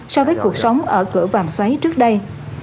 so với cuộc sống ở cửa vàm xoáy trước đây